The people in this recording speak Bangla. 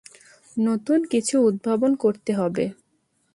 নতুন কিছু উদ্ভাবন করতে হবে।